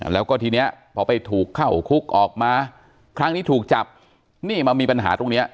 แล้วก็ทีนี้พอไปถูกเข้าคุกออกมาครั้งนี้ถูกจับนี่มามีปัญหาตรงเนี้ย